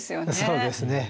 そうですね。